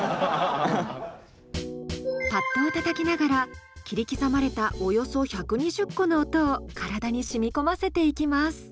パッドをたたきながら切り刻まれたおよそ１２０個の音を体にしみこませていきます。